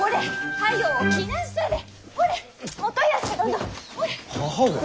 母上。